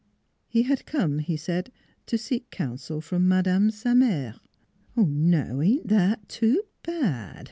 He had come, he said, to seek counsel from madame, sa mere. "Now, ain't that too bad!"